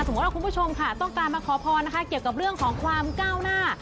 ว่าคุณผู้ชมค่ะต้องการมาขอพรนะคะเกี่ยวกับเรื่องของความก้าวหน้า